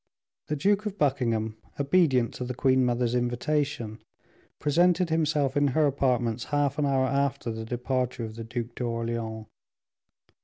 The Duke of Buckingham, obedient to the queen mother's invitation, presented himself in her apartments half an hour after the departure of the Duc d'Orleans.